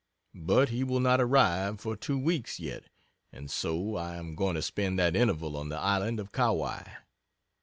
But he will not arrive for two weeks yet and so I am going to spend that interval on the island of Kauai.